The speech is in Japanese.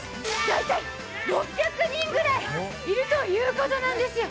大体６００人ぐらいいるということなんですよ。